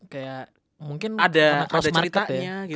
kayak mungkin ada ceritanya